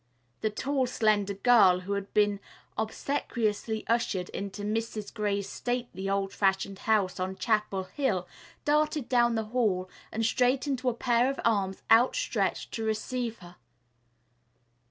The tall, slender girl, who had been obsequiously ushered into Mrs. Gray's stately, old fashioned house on Chapel Hill, darted down the hall and straight into a pair of arms outstretched to receive her.